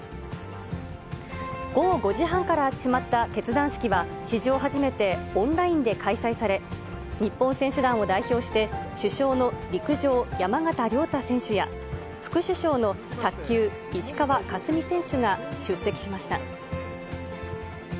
午後５時半から始まった結団式は、史上初めてオンラインで開催され、日本選手団を代表して、主将の陸上、山縣亮太選手や、副主将の卓球、石川佳純選手が出席しました。